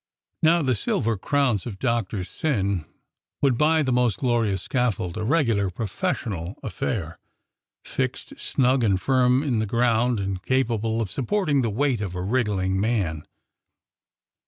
Now the silver crowns of Doctor Syn would buy the most glorious scaffold, a regular professional affair, fixed snug and firm in the ground, and capable of supporting the weight of a wriggling man.